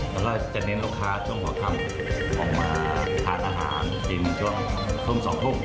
แล้วก็จะเน้นลูกค้าช่วงหัวค่ำออกมาทานอาหารกินช่วงทุ่ม๒ทุ่ม